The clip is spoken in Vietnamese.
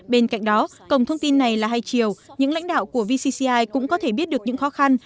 bên cạnh đó cổng thông tin này là hai chiều những lãnh đạo của vcci cũng có thể biết được những khó khăn